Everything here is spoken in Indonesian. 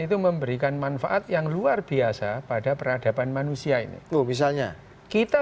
itu memberikan manfaat yang luar biasa pada peradaban manusia ini loh misalnya kita